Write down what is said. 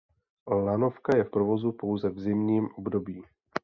Lanovka je v provozu pouze v zimním období.